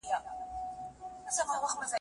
سیستم به پلي سي.